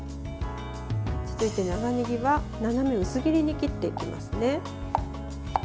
続いて長ねぎは斜め薄切りに切っていきますね。